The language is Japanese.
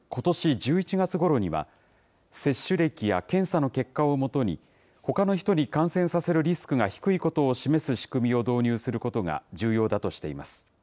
１１月ごろには、接種歴や検査の結果をもとに、ほかの人に感染させるリスクが低いことを示す仕組みを導入することが重要だとしています。